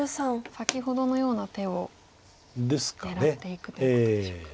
先ほどのような手を狙っていくということでしょうか。